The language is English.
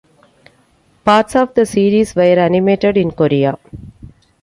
Parts of the series were animated in Korea.